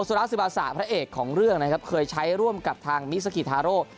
ราซิบาสะพระเอกของเรื่องนะครับเคยใช้ร่วมกับทางมิสกิฮาโร